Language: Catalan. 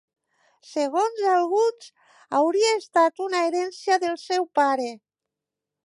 Segons alguns, hauria estat una herència del seu pare.